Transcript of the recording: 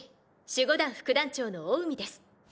守護団副団長のオウミです。